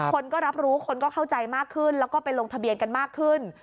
คนก็รับรู้คนก็เข้าใจมากขึ้นแล้วก็ไปลงทะเบียนกันมากขึ้น